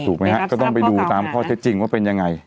ถูกไหมครับก็ต้องไปดูตามข้อเช็ดจริงว่าเป็นอย่างไร